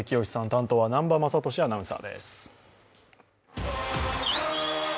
担当は南波雅俊アナウンサーです。